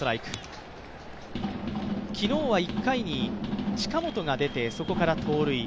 昨日は１回に近本が出て、そこから盗塁。